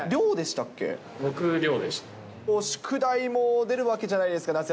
僕、宿題も出るわけじゃないです